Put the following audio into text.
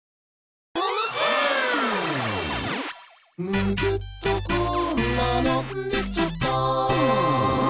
「むぎゅっとこんなのできちゃった！」